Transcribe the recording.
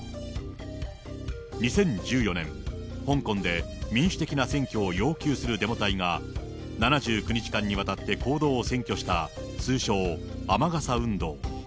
２０１４年、香港で民主的な選挙を要求するデモ隊が、７９日間にわたって公道を占拠した通称、雨傘運動。